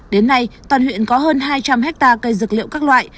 đến nay toàn huyện có hơn hai trăm linh hectare cây dược liệu các loại